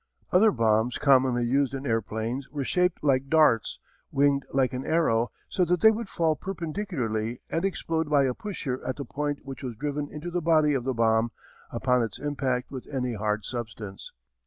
Other bombs commonly used in airplanes were shaped like darts, winged like an arrow so that they would fall perpendicularly and explode by a pusher at the point which was driven into the body of the bomb upon its impact with any hard substance.